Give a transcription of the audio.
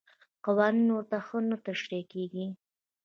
قوانین ورته ښه نه تشریح کېږي.